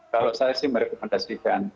kalau saya sih merekomendasikan